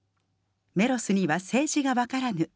メロスには政治がわからぬ。